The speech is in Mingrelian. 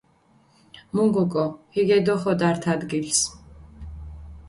მუ გოკო ქიგედოხოდ ართ ადგილს